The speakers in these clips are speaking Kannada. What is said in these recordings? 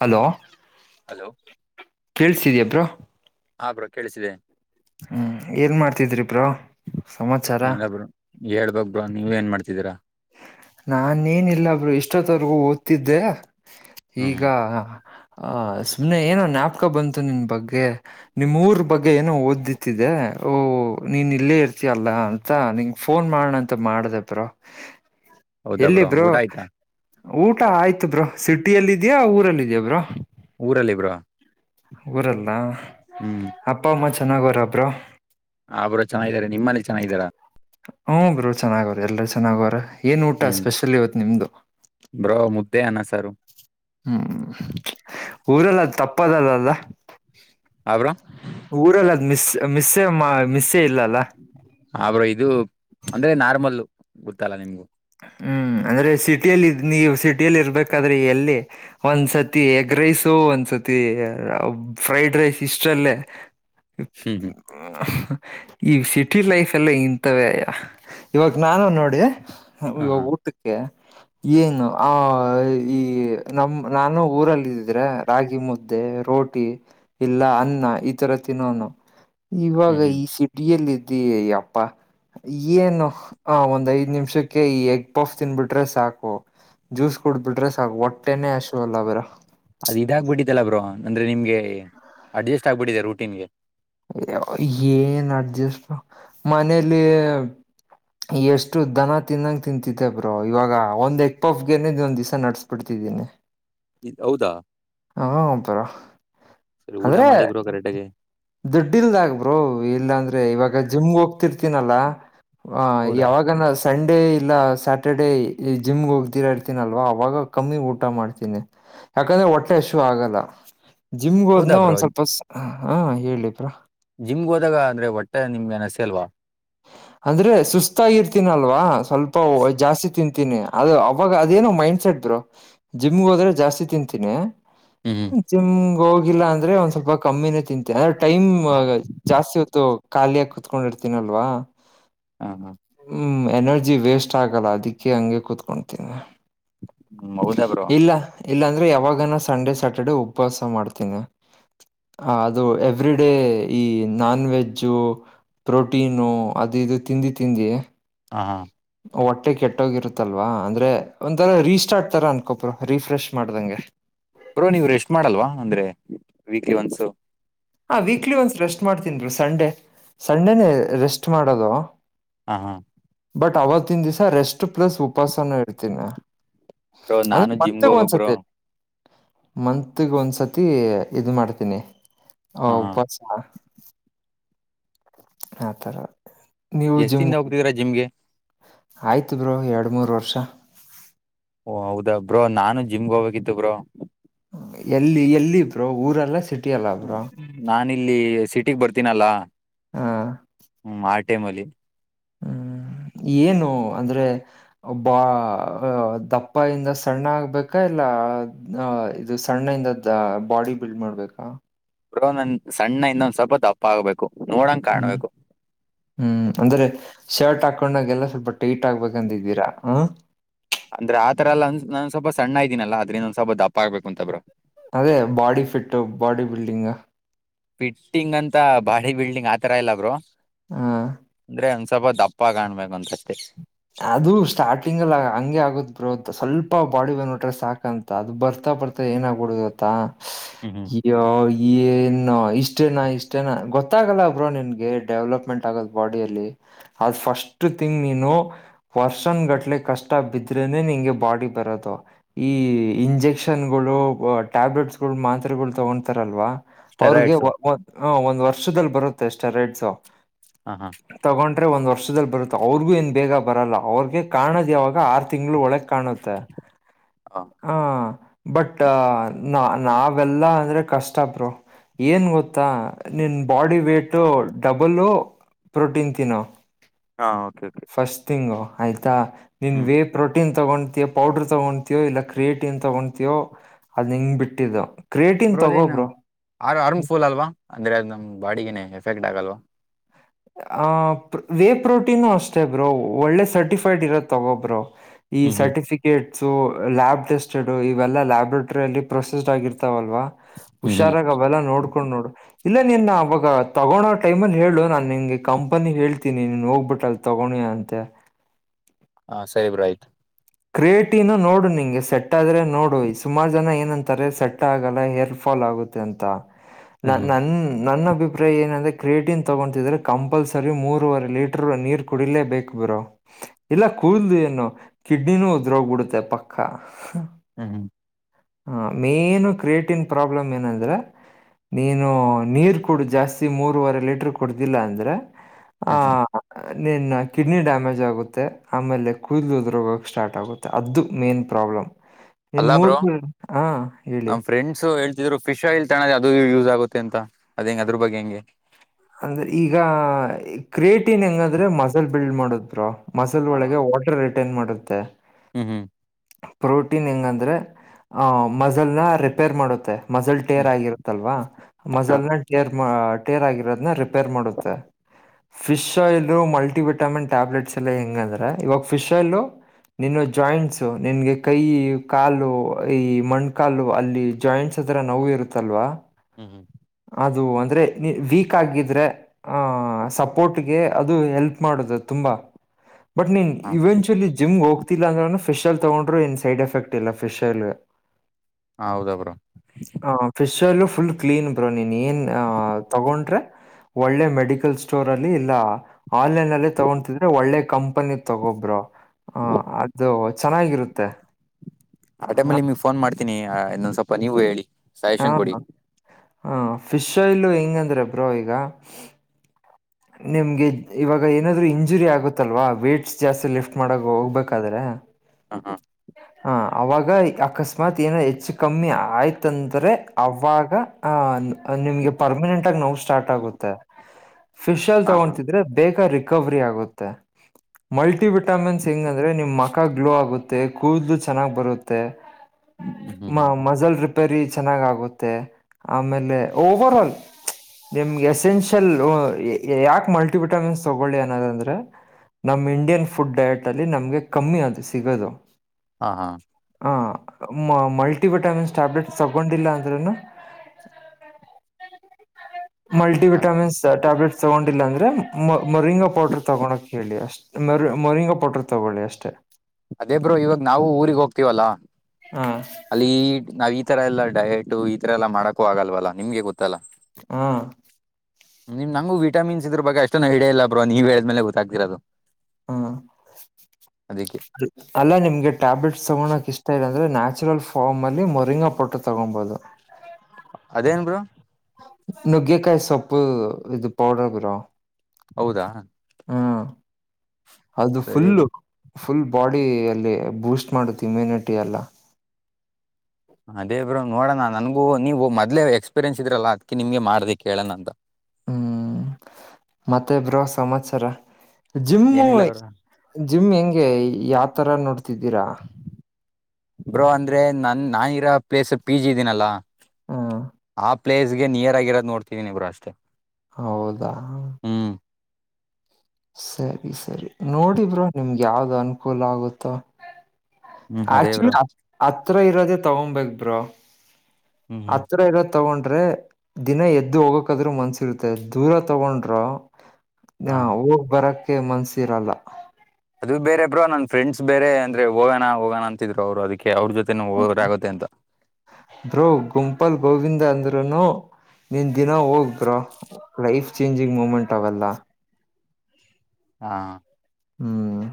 ಹಲೋ ಹಲೋ ಕೇಳಿಸ್ತಿದೆ ಬ್ರೋ ಆ ಬ್ರೋ ಕೇಳಿಸಿದೆ ಹ್ಮ್ ಏನ್ ಮಾಡ್ತಿದ್ರಿ ಬ್ರೋ ಸಮಾಚಾರ ಏನಬ ಹೇಳ್ಬಕ್ ಬ್ರ ನೀವ ಏನ್ ಮಾಡ್ತಿದೀರಾ ನಾನೇನಿಲ್ಲಬ್ರು ಇಷ್ಟೊತ್ತರ್ಗೂ ಓದ್ತಿದ್ದೆ ಈಗ ಹ್ಮ್ ಆ ಸುಮ್ನೆ ಏನೋ ನ್ಯಾಪಕಾ ಬಂತು ನಿನ್ ಬಗ್ಗೆ ನಿಮ್ಮ ರ್ ಬಗ್ಗೆ ಏನೋ ಓದ್ದಿತ್ತಿದೆ ಓಹ ನೀನ್ ಇಲ್ಲೇ ಇರ್ತಯಲ್ಲ ಅಂತ ನಿಂಗ ಫೋನ್ ಮಾಡಣಂತ ಮಾಡ್ದ ಬ್ರೊ ಹೌದಬ್ರು ಊಟ ಆಯ್ತಾ ಊ ಊಟ ಆಯ್ತು ಬ್ರೋ ಸಿಟಿಯಲ್ಲಿ ಇದೀ ಯಾ ಊರಲ್ಲಿ ಇದೇ ಬ್ರೋ ಊರಲ್ಲಿ ಬ್ರೋ ಊರಲ್ಲಾ ಹ್ಮ್ ಅಪ್ಪ ಅಮ್ಮ ಏನಾಗರು ಬ್ರೋ ಅಬ್ರು ಚೆನ್ನಾಗಾದಾರೆ ನಿಮ್ಮಲ್ಲಿ ಚೆನ್ನಾಗಿದ್ದಾರಾ ಹ ಬ್ರೋ ಚೆನ್ನಾಗೋರ ಎಲ್ರ ಚೆನ್ನಾಗರ ಏನು ಊಟ ಹ್ಮ್ ಸ್ಪೆಷಲಿ ಇವತ್ತು ನಿಮ್ದು ಅದೇ ಅನ್ನ ಸಾರು ಹ್ಮ್ ಊರೆಲ್ಲ ತಪ್ಪದಲ್ಲ ಅಲ್ಲ ಆ ಬ್ರೋ ಊರಲ್ಲದ ಮಿಸ್ ಮಿಸೆ ಮಾ ಮಿಸ್ ಆ ಬ್ರೋ ಇದು ಅಂದ್ರೆ ನಾರ್ಮಲ್ಲು. ಗೊತ್ತಲ್ಲ ನಿಮ್ಗು ಹ್ಮ್ ಅಂದ್ರೆ ಸಿಟಿಯಲ್ಲಿ ನೀವು ಸಿಟಿಯಲ್ಲಿ ಇರ್ಬೇಕಾದ್ರೆ ಎಲ್ಲಿ ಒಂದ್ಸತಿ ಎಗ್ ರೈಸು ಒಂದ್ಸತಿ ಫ್ರೈಡ್ ರೈಸ್ ಇಷ್ಟ್ರಲ್ಲೇ ಹ್ಮ್ ಹ್ಮ್ ಅಹ್ ಈ ಸಿಟಿ ಲೈಫ್ ಎಲ್ಲ ಇಂತವೆ ಇವಾಗ ನಾನು ನೋಡಿ. ಹ ಹಾ ಇವಾಗ ಹಾ ಊಟಕ್ಕೆ ಏನು ಆ ಈ ನಮ್ಮ್ ನಾನು ಊರಲ್ಲ ಇದಿದ್ರೆ ರಾಗಿ ಮುದ್ದೆ ರೋಟಿ ಇಲ್ಲ ಅನ್ನ ಈ ತರ ತಿನ್ನೋನು. ಇವಾಗ ಹ್ಮ್ ಹ್ಮ್ ಈ ಸಿಟಿಯಲ್ಲಿ ದೀಯಪ್ಪ ಏನು ಆ ಒಂದ್ ಐದ್ ನಿಮಿಷಕ್ ಈ ಎಗ್ ಪಫ್ ತಿನ್ಬಿಟ್ರೆ ಸಾಕು ಜ್ಯೂಸ್ ಕೊಡ್ಬಿಟ್ರೆ ಸಾಕು ಒಟ್ಟೆನೆ ಹಶುವಲ್ಲ ಗುರು. ಅದ ಇದಾಗ ಬಿಟ್ಟಿತಲ್ಲ ಬ್ರೋ ಅಂದ್ರೆ ನಿಮ್ಗೆ ಅಡ್ಜಸ್ಟ್ ಆಗ್ಬಿಟ್ಟಿದೆ ರುಟೀನ್ಗೆ ಏನ್ ಅಡ್ಜಸ್ಟ್ ಮನೇಲಿ ಎಷ್ಟು ದನ ತಿನ್ನಂಗ ತಿಂತಿದ್ದೆ ಬ್ರೋ ಇವಾಗ ಒಂದ್ ಎಗ್ ಪಫ್ಗೆನೆ ಒಂದ್ ದಿವ್ ನಡ್ಸ್ ಬಿಡ್ತಿದ್ದೀನಿ. ಹೌದಾ ಹ ಅಂತರ ಸರಿ ಊಟ ಅಂದ್ರೆ ಮಾಡಿ ಬ್ರೋ ಕರೆಕ್ಟಾಗಿ ದುಡ್ಡಿಲ್ದಾಗ್ ಬ್ರೋ ಇಲ್ಲಾಂದ್ರೆ ಇವಾಗ ಜಿಮ್ಗೆ ಹೋಗ್ತಿರ್ತನಲ್ಲ. [inaudible] ಹ ಹೌದಾ ಯಾವಾಗನ ಸನ್ ಇಲ್ಲ ಸ್ಯಾಟರ್ಡೇ ಜಿಮ್ಗೆ ಹೋಗತೀರಾ ಇರ್ತೀನಲ್ವಾ ಅವಾಗ ಕಮ್ಮಿ ಊಟ ಮಾಡ್ತೀನಿ ಯಾಕಂದ್ರೆ ಒ ಹಶು ಆಗಲ್ಲ. ಜಿಮ್ಗೆ ಹೋದ್ನ ಹೌದಾ ಬ್ರೋ ಒಂದ್ ಸ್ವಲ್ಪ ಹಾ ಹೇಳಿ ಬ್ರೋ ಜಿಮ್ಗೆ ಹೋದಾಗ ಅಂದ್ರೆ ಹೊಟ್ಟೆ ನಿಮ್ಗೆನಸೆ ಅಲ್ವಾ, ಅಂದ್ರೆ ಸುಸ್ತಾಗಿರ್ತೀನಲ್ವಾ ಸ್ವಲ್ಪ ವೊ ಜಾಸ್ ತಿಂತೀನಿ ಅದು ಅವಾಗ ಅದೇನೋ ಮೈಂಡ್ಸೆಟ್ ಬ್ರೋ ಜಿಮ್ಗೆ ಹೋದ್ರೆ ಜಾಸ್ತಿ ತಿಂತೀನಿ. ಹ್ಮ್ ಹ್ಮ್ ಈ ಜಿಮ್ ಹೋಗಿಲ್ಲ ಅಂದ್ರೆ ಒಂದ್ ಸ್ವಲ್ಪ ಕಮ್ಮಿನೇ ತಿಂತಿನಿ ಅವ್ರ್ ಟೈಮ್ ಜಾಸ್ತಿ ಹೊತ್ತು ಖಾಲಿಯಗ್ ಕುತ್ಕೊಂಡಿರ್ತೀನಲ್ ವಾ, ಹಾ ಹಾ ಎನರ್ಜಿ ವೇಸ್ಟ್ ಆಗಲ್ಲ ಅದಕ್ಕೆ ಹಂಗೆ ಕುೂತ್ಕೊಂತಿನಿ. ಹ್ಮ್ ಹೌದಾ ಬ್ರೋ. ಇಲ್ಲಾಂದ್ರೆ ಯಾವಾಗನ ಸಂಡೇ ಸ್ಯಾಟರ್ಡೆ ಉಪವಾಸ ಮಾಡ್ತೇನಿ. ಅದು ಎವ್ರಿ ಡೇ ಈ ನಾನ್ ವೆಜ್ಜು ಪ್ರೋಟೀನು ಅದು ಇದು ತಿಂದಿ ತಿಂದಿ ಹಾ ಹಾ ಹೊಟ್ಟೆ ಕೆಟ್ಟೋಗಿರುತ್ತಲ್ವಾ ಅಂದ್ರೆ ಒಂಥರ ರೀಸ್ಟಾರ್ಟ್ ತರ ಅನ್ಕೊ ಬ್ರೋ ರೀಫ್ರೆಶ್ ಬ್ರೋ ನೀವರು ರೆಷ್ಟ್ ಮಾಡಲ್ವಾ ಅಂದ್ರೆ ವಿಕ್ಲಿ ವನ್ಸ್ ಹಾ ವೀಕ್ಲಿ ಒಂದಸ್ ರೆಸ್ಟ್ ಮಾಡ್ತೀನ್ರು ಸಂಡೇ ಸಂಡೇನೆೇ ರೆಸ್ಟ್ ಮಾಡೋದು. ಹಾ ಹಾ ಬಟ್ ಅವತ್ತಿನ ದಿವಸ ರೆಸ್ಟ್ ಪ್ಲಸ್ ಉಪವಾಸನ ಇರ್ತೀನಿ ಅಂದ್ರೆ ನಾನು ಮಂತ್ಗೆ ಜಿಮ್ಗೆ ಹೋಗಬರು ಒಂದ್ಸತಿ ಮಂತ್ಗೆ ಒಂದ್ಸತಿ ಇ ಮಾಡ್ತೀನಿ ಹ ಹಾ ಪಾಸ ಹಥರ ಎಷ್ಟ ದಿಂದ ಹೋಗತೀರಾ ಜಿಮ್ಗೆ. ಆಯ್ತು ಬ್ರೋ ಎರಡು ಮೂರು ವರ್ಷ. ಓ ಹೌದಾ ಬ್ರೋ ನಾನು ಜಿಮ್ಗೆ ಹೋಗ್ಬೇಕತ್ತುು ಬ್ರೋ ಎಲ್ಲಿ ಎಲ್ಲಿ ಇಬ್ರೋ ಊರೆಲ್ಲ ಸಿಟ್ ನಾನ. ಇಲ್ಲಿ ಸಿಟಿಗ್ ಬರ್ತೀನಲ್ಲಾ. ಹಾ ಹ್ಮ ಮಾಡ. ಟೇಮಲ್ಲಿ. ಹ್ಮ್ ಏನು ಅಂದ್ರೆ ಬಾ ದಪ್ಪ ಇಂದ ಸಣ್ಣ ಆಗ್ಬೇಕಾ ಇಲ್ಲ ಇದು ಸಣ್ಣ ಇಂದ ದ ಬಾಡಿ ಬಿಲ್ಡ್ ಮಾಡ್ಬೇಕಾ. ಬ ನಂದ್ ಸಣ್ಣ ಇಂದೊಂದ್ ಸ್ವಲ್ಪ ದಪ್ಪ ಆಗ್ಬೇಕು. ನೋಡಂಗ್ ಹ್ಮ್ ಕಾಣ್ಬೇಕು ಹ್ಮ್ ಅಂದ್ರೆ ಶರ್ಟ್ ಹಾಕ. ಕಕೊಂಡಾಗ ಎಲ್ಲ ಸ್ವಲ್ಪ ಟೈಟ್ ಆಗ್ಬೇಕಂತಿದೀರಾ ಹ್ಮ್. ಅಂದ್ರೆ ಆ ತರ ಎಲ್ಲ ಒಂದ ನ ಒನ್ ಸ್ವಲ್ಪ ಸಣ್ಣ ಇದ್ದಿನನಲ್ಲ ಅಂದ ಒಂದ್ ಸ್ವಲ್ಪ ದಪ್ಪ ಆಗ್ಬೇಕು ಅಂತಬ್ರು. ಅದೇ body fit body building. Fitting ಅಂತ ಬಾಡಿ ಬಿಲ್ಡಿಂಗ್ ಆತರ ಇಲ್ಲ ಬ್ರೋ ರು. ಹ ಅಂದ್ರೆ ಅನ್ಸ. ಸ್ವಲ್ಪ ದಪ್ಪ ಕಾಣ್ಬೇಕು ಅಂತಷ್ಟೆ. ಅದು ಸ್ಟಾರ್ಟಿಂಗಲ್ ಹಂಗೆ ಆಗುದ್ ಬ್ರೋ ಅದು ಸ್ವಲ್ಪ ಬಾಡಿ ಬಂದುಟ್ರೆಸ್ ಸಾಕಂತ ಅದು ಬರ್ತಾ ಬರ್ತಾ ಏನ ಆಗ್ಬಿಡತ್ತ. ಹ್ಮ್ ಹ್ಮ್ ಓ ಹ ಏನು ಇಷ್ಟೇನಾ ಇಷ್ಟೇನಾ ಗೊತ್ತಾಗಲ್ಲ ಬ್ರೋ ನಿನ್ಗೆ ಡೆವಲಪ್ಮೆಂಟ್ ಆಗೋದು ಬಾಡಿಯಲ್ಲಿ ಅದು ಫಸ್ಟ್ ಥಿಂಗ್ ನೀನು. ವರ್ಷನ್ ಗಟ್ಲೆ ಕಷ್ಟ ಬಿದ್ರೆನೆ ನಿಂಗೆ ಬಾಡಿ ಬರದು ಈ ಇಂಜೆಕ್ಷನ್ಗಳು ಟ್ಯಾಬ್ಲೆಟ್ಸ್ಗಳು ಮಾತ್ರೆಗಳು ತಗೊತಾರಲ್ವಾ. ಅವ್ರಿಗೆ ಸ್ಟೆರೈಡ್ಸು ಹ ಒಂದ್ ವರ್ಷದಲ್ಲಿ ಬರುತ್ತೆ ಅಷ್ಟೇ ರೆಡ್. ಸ. ಹ ಹಾ ತಗೊಂಡ್ರೆ ಒಂದ್ ವರ್ಷ. ಬರುತ್ತೆ ಅವ್ರಿಗೂ ಏನ್ ಬೇಗ. ಬರಲ್ಲ ಅವ್ರಿಗೆ ಕಾರಾಣದ ಯಾವಾಗ ಆರ್. ತಿಂಗಳು ಒಳಗ ಕಾಣುತ್ತೆ ಹಾ. ಬಟ್ ನ ನಾವೆಲ್ಲ ಅಂದ್ರೆ ಕಷ್ಟ ಬ್ರೋ ಏನ್ ಗೊತ್ತಾ ನಿನ್ ಬಾಡಿ ವೇಟು ಡಬಲು ಪ್ರೋಟೀನ್ ತಿನ್ನೋ. ಹಾ ಓಕೆ ಕೆ ತಿಂಗೋ ಆಯ್ತಾ. ನಿನ್ ವೇ ಪ್ರೋಟೀನ್ ತಗೊಂಡ. ಪೌಡ್ರ ತಗೊತಿಯೋ ಇಲ್ಲ ಕ್ರಿಯೇಟಿನ್ ತಗೊತೀವೋ ಅದು ನಿಂಗ್ ಬಿಟ್ಟಿದ್ದು ಕ್ರಿಯೇಟಿನ್ ತೊಗೊ ಬ್ರೋದೇನು ಬ್ರೋ ಆರ್ ಆರ್ ಫುಲ್ ಅಲ್ವಾ ಅಂದ್ರೆ ನಮ್ ಬಾಡಿಗೆನೆ ಎಫೆಕ್ಟ್ ಇದ್ ಆಗಲ್ವಾ ಆಹ ವೇ ಪ್ರೋಟೀನು ಅಷ್ಟೇ ಬ್ರೋ ಒಳ್ಳೆ ಸರ್ಟಿಫೈಡ್ ಇರೋ ತಗೊಬ್ರೊ ಈ ಹ್ಮ್ ಹ್ಮ್ ಸರ್ಟಿಫಿಕೇಟ್ ಸೊ ಲ್ಯಾಬ್ ಟೆಸ್ಟೆಡ್ ಇವೆಲ್ಲ ಲ್ಯಾೋರೇಟರಿ ಅಲ್ಲಿ ಪ್ರೊಸೆಸ್ಡ್ ಆಗಿರ್ತಾವಲ್ ಲ್ವಾ ಹ್ಮ್ ಹ್ಮ್ ಹುಷಾರಾಗ ಅವೆಲ್ಲಾ ನೋಡ್ಕೊಂಡ್ ನೋಡೂ ಇಲ್ಲ ನೀನ್ನ ಅವಾಗ ತಗೋಳೋ ಟೈಮ ಅಲ್ಲಿ ಹೇಳು ನಾನು ನಿನ್ಗೆ ಕಂಪನಿ ಹೇಳ್ತೀನಿ ನೀನ್ ಹೋಗ್ಬಿಟ್ಟ ಅಲ್ ತಗೋಣಿ ಅಂತೆ ಹಾ ಸರಿ ಬ್ರೋ ಆಯ್ತ ಕ್ರಿಯೇಟಿವ್ನು ನೋಡು ನಿಂಗೆ ಸೆಟ್ ಆದ್ರೆ ನೋಡು ಸುಮಾರು ಜನ ಏನಂತಾರೆ ಸೆಟ್ ಆಗಲ್ಲ ಹೇರ್ ಫಾಲ್ ಆಗುತ್ತೆ ಅಂತ ನ ಹ್ಮ್ ಹ್ಮ್ ನನ್ ನನ್ನ ಅಬ್ ಅಭಿಪ್ರಾಯ ಏನಂದ್ರೆ ಕ್ರೇಟಿನ್ ತಗೊತಿದ್ರೆ ಕಂಪಲ್ಸರಿ ಮೂರುವರೆ ಲೀಟರ್ ನೀರ್ ಕುಡಿಲೇಬೇಕು ಬ್ರೋ ಇಲ್ಲ ಕೂದಲು ಏನು ಕಿಡ್ನಿನೂ ಉದ್ರೋಗ್ಬಿಡುತ್ತೆ ಪಕ್ಕ ಹ್ಮ್ಮ ಹ್ಮ್ಮ್ ಹ ಮೇನು ಕ್ರಿಯೇಟನ್ ಪ್ರಾಬ್ಲಮ್ ಏನಂದ್ರೆ ನೀನು ನೀರ್ ಕುಡ ಜಾಸ್ತಿ ಮೂರುವರೆ ಲೀಟರ್ ಕುಡುದಿಲ್ಲ ಅಂದ್ರೆ ಹ ಹ್ಮ್ ಹ್ಮ್ ನಿನ್ನ ಕಿಡ್ನಿ ಡ್ಯಾಮೇಜ್ ಆಗುತ್ತೆ ಆಮೇಲೆ ಕುಯ್ಲು ಉದ್ರೂ ಸ್ಟಾರ್ಟ್ ಆಗುತ್ತೆ ಅದು ಮೇನ್ ಪ್ರಾಬ್ಲಮ್ ಇನ್ ಅಲ್ಲ ಮೂರ್ ಬ್ರೋ ಹಾ ಹೇಳಿ ಇದರು ಫಿಶ್ ಆಯಿಲ್ ತಣದ ಅದು ಯೂಸ್ ಆಗುತ್ತೆ ಅಂತ ಅದೇ ಹೆಂಗೆ ಅದ್ರ ಬಗ್ಗೆ ಹೆಂಗೆ ಅಂದ್ರೆ ಈಗ ಕ್ರೇಟಿನ್ ಹೆಂಗಂದ್ರೆ ಮಸ್ ಮಸಲ್ ಬಿಲ್ಡ್ ಮಾಡುತ್ ಬ್ರೋ ಮಸಲ್ ಒಳಗೆ ಹ್ಮ್ ವಾಟರ್ ಟೆನ್ ಮಾಡುತ್ತೆ ಹ್ಮ್ ಹ್ಮ್ ಪ್ರೋಟೀನ್ ಹೆಂಗಂದ್ರರೆ ಮಜಲ್ನ ರಿಪೇರ್ ಮಾಡುತ್ತೆ ಮಜಲ್ ಟೇರ್ ಆಗಿರುತ್ತಲ್ವಾ ಮಜಲ್ ನ ಟೇರ್ ಟೇರ್ ಆಗಿರತ್ತ ರಿಪೇರ್ ಮಾಡುತ್ತೆ fish oil multi vitamin tablets ಎಲ್ಲ ಹೆಂಗ ಅಂದ್ರೆ ಇವಾಗ ಫಿಶ್ ಆಯಿಲು ನಿನ್ನ ಜಾಯಿಂಟ್ಸ ನಿನ್ಗೆ ಕೈ ಕಾಲು ಈ ಮಣ್ ಕಾಲು ಅಲ್ಲಿ ಜಾಯಿಂಟ್ಸ್ ಹತ್ರರ ನೋವು ಇರುತ್ತಲ್ವಾ ಹ್ಮ್ಮ್ ಅದು ಅಂದ್ರೆ ನೀ ವೀಕ್ ಆಗಿದ್ರೆ ಆ ಸಪೋರ್ಟ್ಗೆ ಅದು ಹೆಲ್ಪ್ ಮಾಡುದು ತುಂಬಾ ಬಟ್ ನೀನ್ ಹಾ ಇವೆನ್ಚುಲಿ ಜಿಮ್ಗೆ ಹೋಗ್ತಿಲ್ಲ ಅಂದ್ರ ಫಿಶ್ಲ್ ತಗೊಂಡ್ರು ಏನ್ ಸೈಡ್ ಎಫೆಕ್ಟ್ ಇಲ್ಲ ಫಿಶ್ ಆಯಿಲ್ ಹಾ ಹೌದಾ ಬ್ರೋ ಹ fish oil full clean bro ನೀನ್ ಏನ್ ಆ ತಗೊಂಡ್ರೆ ಒಳ್ಳೆ ಮೆಡಿಕಲ್ ಸ್ಟೋರ್ ಅಲ್ಲಿ ಇಲ್ಲ ಆನ್ಲೈನ್ ಅಲ್ಲೇ ತಗೊತಿದ್ರೆ ಒಳ್ಳೆ ಕಂಪ್ ಪ್ಪನಿ ತಗೊ ಬ್ರೋ ಹ ಅದು ಚೆನ್ನಾಗಿರುತ್ತೆ. ಆ ಟೈಮ ಅಲ್ಲಿ ನಿಮಗೆ ಫೋನ್ ಮಾಡ್ತೀನ್ ನಿ ಇನ್ನೊಂದ ಸ್ವಲ್ಪ ನೀವು ಹೇಳಿ. ಸಿಗ್ಸೆಷನ್ ಕೊಡಿ. ಹ ಫಿಶ್ ಆಯಿಲು ಹೆಂಗಂದ್ರೆ ಬ್ರೋ ಈಗ. ನಿಮ್ಗೆ ಇವಾಗ ಏನಾದ್ರು ಇಂಜುರಿ ಆಗುತ್ತಲ್ವಾ ವೇಟ್ಸ್ ಜಾಸ್ತಿ ಲಿಫ್ಟ್ ಮಾಡಕ್ ಹೋಗ್ಬೇಕಾದ್ರೆ. ಹಾ ಹಾ ಹ ಅವಾಗ ಅಕಸ್ಮಾತ್ ಏನೋ ಹೆಚ್ಚ ಕಮ್ಮಿ ಆಯ್ತಂದ್ರೆ ಅವಾಗ ಆಹ ನಿಮ್ಗೆ ಪರ್ಮನೆಂಟ್ ಆಗಿ ನೋವು ಸ್ಟಾರ್ಟ್ ಆಗುತ್ತೆ ಫಿಶ ಆಯಿಲ್ ಹಾ ಹಾ ತಗೊತಿದ್ರೆ ಬೇಗ ರಿಕವರಿ ರಿಕವರಿ ಆಗುತ್ತೆ ಮಲ್ಟಿ ಬಿ ವಿಟಮಿನ್ಸ್ ಹೆಂಗಂದ್ರೆ ನಿಮ್ಮ ಮಕ್ಕ ಗ್ಲೋ ಆಗುತ್ತೆ ತ್ತೆ. ಕೂದಲು ಚೆನ್ನಾಗ್ ಬರುತ್ತೆ. ಹ್ಮ್ ಹ್ಮ್ ಮ ಹ್ಮ್ ಮಜಲ್ ರಿಪೇರಿ ಚೆನ್ನಾಗ ಆಗುತ್ತೆ ಆಮೇಲೆ ಓವರ್ ಆಲ್ ನಿಮ್ಗೆ ಎಸೆನ್ಷಿಯಲ್ ಯಾಕ ಮಲ್ಟಿವಟಮಿನ್ಸ್ ತಗೊಳ್ಳಿ ಅನ್ನೋದಂದ್ರೆ ನಮ ಇಂಡಿಯನ್ ಫುಡ್ ಡಯಟ್ ಅಲ್ಲಿ ನಮ್ಗೆ ಕಮ್ಮಿ ಅದು ಸಿಗೋದು. ಹಾ ಹಾ. ಮಲ್ಟಿ ವಿಟಾಮಿನ್ ಟ್ಯಾಬ್ಲೆಟ್ ತಗೊಂಡಿಲ್ಲ ಅಂದ್ರನು. ಮಲ್ಟಿ ಹಾಗೆ. ವಿಟಾಮಿನ್ಸ್ ಟ್ಯಾಬ್ಲೆಟ್ಸ್ ತಗೊಂಡಿಲ್ಲ ಅಂದ್ರೆ. ಮ ಮರಿಂಗಾ ಪೌಡರ್ ತಗೊಳೋಕ್ ಹೇಳಿ ಅಷ್ಟ ಮರಿ ಮರಿಂಗಾ ಪೌಡ್ರ ತಗೊಳ್ಳಿ ಅಷ್ಟೇ. ಅದೇ ಬ್ರೋ ಇವಾಗ ನಾವು ಊರಿಗ್ ಹೋಗ್ತಿವಲ್ಲಾ. ಹ ಅಲ್ಲಿ ನೈ ಈ ತರ ಎಲ್ಲ ಡಯಟು ಈತರ ಎಲ್ಲ ಮಾಡೋಕೂ ಆಗಲ್ವಲ್ಲ ನಿಮ್ಗೆ ಗೊತ್ತಲ್ಲಾ. ಹೂಂ. ನಿಮ್ ನಂಗು ವಿಟಮಿನ್ಸ್ ಇಂದ್ರ ಬಾಗಷ್ಟು ಇಡ ಇಲ್ಲ ಬ್ರೋ ನೀವ ಹೇಳಿದ್ಮೇಲೆ ಗೊತ್ತಾಗ್ತಿರೋದು. ಹಾ. ಅದಕ್ಕೆ ಅಲ್ಲ ನಿಮ್ಗೆ ಟ್ಯಾಬ್ಲೆಟ್ಸ್ ತಗೋಕ್ ಇಷ್ಟ. ಅಂದ್ರೆ ನ್ಯಾಚುರಲ್ ಫಾರ್ಮ್ ಅಲ್ಲಿ ಮರಿಂಗಾ ಪ್ರೋಟಿನ್ ತಗೊಬಹುದು. ಅದೇನ್ ಬ್ರೋ. ನುಗ್ಗೆಕಾಯ್ ಸೊಪ್ಪು ಇದು ಪೌಡರ್ ಗುರು. ಹೌದಾ. ಹಾ. ಅದು ಸರಿ ಫುಲ್ಲು. ಬ್ರೋ ಫುಲ್ ಬಾಡಿ ಅಲ್ಲಿ ಬೂಸ್ಟ್ ಮಾಡುತ್ತೆ ಇಮ್ಯುನಿಟಿ ಎಲ್ಲ. ಅದೇ ಬ್ರೋ ನೋಡೋಣ ನನ್ಗೂ ನೀವು ಮದ್ಲೆ ಎಕ್ಸ್ಪೀರಿಯನ್ಸ್ ಇದ್ರಲ್ಲ ಅದ್ಕೇ ನಿಮ್ಗೆ ಮಾಡ್ದಿ ಕೇಳೋಣ ಅಂತ. ಹ್ಮ್ ಮತ್ತೆ ಬ್ರೋ ಸಮಾಚಾರ. ಜಿಮ್ಮು ಏನಿಲ್ಲ ಬ್ರೋ ಜಿಮ್ ಹೆಂಗೆ ಯತ್ [unintelligible] ಬ್ರೋ ಅಂದ್ರೆ ನನ್ ನಾಯ್ ಪ್ಲೇಸ್ ಪಿ ಜಿ ಇದೀನಲ್ಲಾ. ಹ್ಮ್ ಆಪ್ ಪ್ಲೇಸ್ಗೆ ನಿಯರ್ ಆಗಿರೋದ ನೋಡ್ತೀನಿ ಬ್ರು ಅಷ್ಟೇ. ಹೌದಾ. ಹ್ಮ್ ಸರಿ ಸರಿ ನೋಡಿಬ್ರೋ ನಿಮ್ಗೆ ಯಾವ್ದ ಅನುಕೂಲ ಆಗುತ್ತೋ ಹ್ಮ್ ಅದೇ ಆಚು ಬ್ರೋ ಆ ಹತ್ರ ಇರೋದೆೇ ತಗೊಂಬೇಕ ಬ್ರೋ. ಹ್ಮ್ ಹ್ಮ್ ಹತ್ರ ಇರತ್ ತಗೊಂಡ್ರೆ ದಿನ ಎದ್ದು ಹೋಗಕದ್ರೂ ಮನ್ಸ ಇರುತ್ತೆ ದೂರ ತಗೊಂಡ್ರ ಹ ಹಾ ಹೋಗ ಬರಕ್ ಕ ಮನ್ಸಿರಲ್ಲ. ಅದು ಬೇರೆ ಬ್ರೋ ನನ್ ಫ್ರೆಂಡ್ ಬೇರೆ ಅಂದ್ರೆ ಹೋಗೋಣ ಹೋಗೋಣ ಅಂತಿದ್ರು ಅವರು ಅದಿಕ್ಕೆ ಬ್ರೋ ಗುಂಪಲ್ ಗೋವಿಂದ ಅಂದ ರುನು ನಿನ್ ದಿನ ಹೋಗ ಬ್ರೋ ಲೈಫ್ ಚೇಂಜಿಂಗ್ ಮೂಮೆಂಟ್ ಅವೆಲ್ಲ ಹ್ನ. ಹ್ಮ್.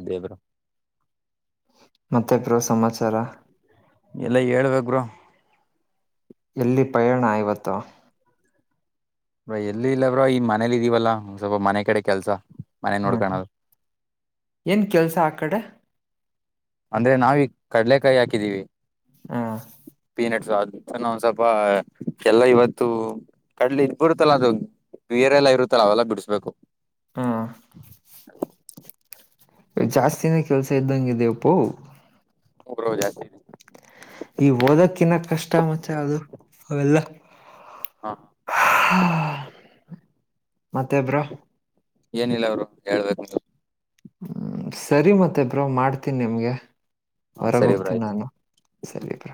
ಅದೇ ಬ್ರೋ. ಮತ್ತೆ ಬ್ರೋ ಸಮಾಚಾರ ಎಲ್ಲಾ ಹೇಳ್ಬೇಕ ಬ್ರೋ ಎಲ್ಲಿ ಪಯಣ ಇವತ್ತು ಎಲ್ಲಿ ಇಲ್ಲ ಬ್ರೋ ಈ ಮನೇಲಿ ಇದೀವಲ್ಲಾ ಸ್ವಲ್ಪ ಮನೆ ಕಡೆ ಕೆಲ್ಸ. ಮನೆ ಹ್ಮ ನೋಡ್ಕಳದು ಏನ್ ಕೆಲ್ಸ ಆ ಕಡೆ ಅಂದ್ರೆ ನಾವೀಗ ಕಡ್ಲೆಕಾಯಿ ಹಾಕಿದೀವಿ. ಹ್ನು. ಪೀನಟ್ಸ್ ಅದ ಒಂದ್ ಸ್ವಲ್ಪ ಎಲ್ಲ ಇವತ್ತು ಕಡ್ಲಿ ಇದ ಬರುತ್ತಲ್ಲ ಅದ ಬೇರಲ್ಲ ಇರುತ್ತಲ್ಲ ಅವೆಲ್ಲ ಬಿಡಸಬೇಕು. ಹ್ಮ ಜಾಸ್ತಿನ ಕೆಲ್ಸ ಇದ್ದಂಗ ದೇಪು ಮೂ ರೋ ಜಾಸ್ ಈ ಓದಕ್ಕಿನ್ನ ಕಷ್ಟ ಮಚ್ಚ ಅದು ಅವೆಲ್ಲ ಹಾ. ಮತ್ತೆ ಬ್ರೋ. ಏನಿಲ್ಲ ಬ್ರೋ ಹೇಳ್ಬೇಕ ನೀವ ಹ್ಮ ಸರಿ ಮತ್ತೆ ಬ್ರೋ ಮಾಡ್ತೀನ್ ನಿಮ್ಗೆ ಹಾ ಹೊರಗೆ ಸರಿ ಬ್ರೋ ಹೋಗ್ತೀನಿ ಆಯ್ತು ನಾನು ಹ್ಮ ಸಲೀಪ